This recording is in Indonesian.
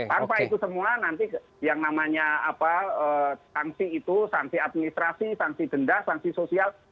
tanpa itu semua nanti yang namanya sanksi itu sanksi administrasi sanksi denda sanksi sosial